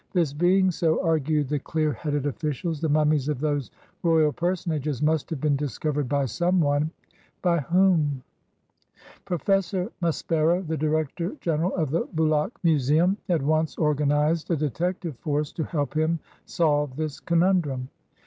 This being so, argued the clear headed oflSicials, the mummies of those royal personages must have been discovered by some one. By whom? Professor Maspero, the Director General of the Bulaq Museum, at once organized a detective force to help him solve this conundrum.